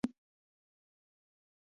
بزګران باید وروزل شي.